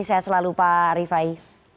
sehat selalu pak rifai